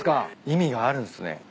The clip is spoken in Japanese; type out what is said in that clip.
意味があるんすね。